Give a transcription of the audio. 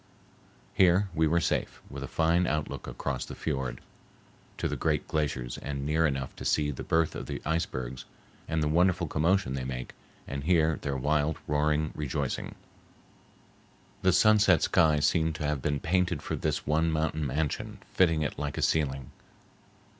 Here we were safe, with a fine outlook across the fiord to the great glaciers and near enough to see the birth of the icebergs and the wonderful commotion they make, and hear their wild, roaring rejoicing. The sunset sky seemed to have been painted for this one mountain mansion, fitting it like a ceiling.